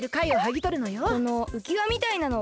このうきわみたいなのは？